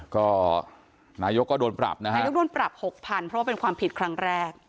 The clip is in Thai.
ก็นายกก็โดนปรับนะฮะนายกโดนปรับหกพันเพราะว่าเป็นความผิดครั้งแรก